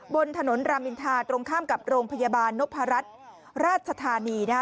บนถนนรามอินทาตรงข้ามกับโรงพยาบาลนพรัชราชธานีนะฮะ